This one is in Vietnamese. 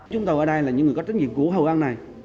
chúng tôi ở đây là những người có trách nhiệm của hậu an này